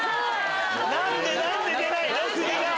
何で何で出ないの？国が。